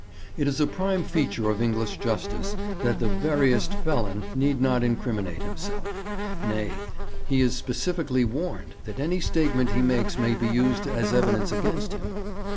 It is a prime feature of English justice that the veriest felon need not incriminate himself; nay, he is specifically warned that any statement he makes may be used as evidence against him.